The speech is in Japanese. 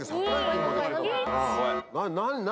何？